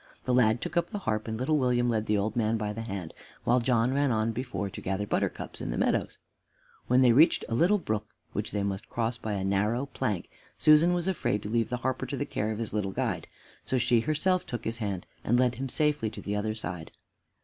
The lad took up the harp and little William led the old man by the hand, while John ran on before to gather buttercups in the meadows. When they reached a little brook which they must cross by a narrow plank, Susan was afraid to leave the harper to the care of his little guide, so she herself took his hand and led him safely to the other side.